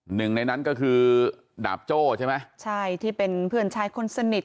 หนึ่งในนั้นก็คือดาบโจ้ใช่ไหมใช่ที่เป็นเพื่อนชายคนสนิท